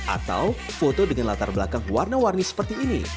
atau foto dengan latar belakang warna warni seperti ini